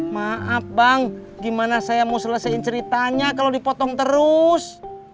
maaf bang gimana saya mau selesaiin ceritanya kalau dipotong terus